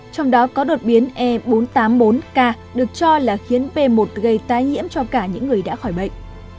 trong đó có đột biến e bốn trăm tám mươi bốn k được cho là khiến p một gây tái nhiễm cho cả những người đã khỏi bệnh